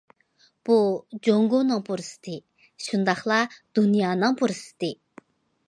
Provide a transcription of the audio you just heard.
بۇ جۇڭگونىڭ پۇرسىتى، شۇنداقلا دۇنيانىڭ پۇرسىتى.